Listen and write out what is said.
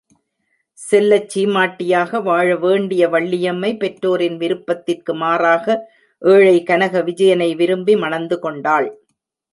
செல்லச் சீமாட்டியாக வாழ வேண்டிய வள்ளியம்மை, பெற்றோரின் விருப்பத்திற்கு மாறாக, ஏழை கனக விஜயனை விரும்பி மணந்து கொண்டாள்.